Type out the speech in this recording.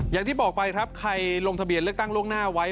อย่างที่บอกไปครับใครลงทะเบียนเลือกตั้งล่วงหน้าไว้